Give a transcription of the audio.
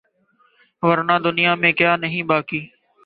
ورنہ دنیا میں کیا نہیں باقی